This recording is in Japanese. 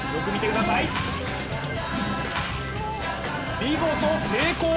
見事、成功！